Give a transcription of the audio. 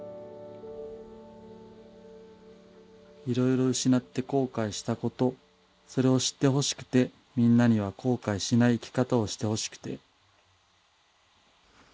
「いろいろ失って後悔したことそれを知って欲しくてみんなには後悔しない生き方をして欲しくて」。